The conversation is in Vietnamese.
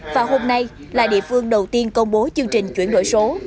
và hôm nay là địa phương đầu tiên công bố chương trình chuyển đổi số